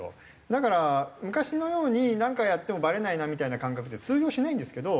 だから昔のようになんかやってもバレないなみたいな感覚って通用しないんですけど。